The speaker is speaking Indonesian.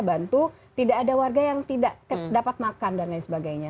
bantu tidak ada warga yang tidak dapat makan dan lain sebagainya